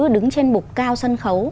đứng trên bục cao sân khấu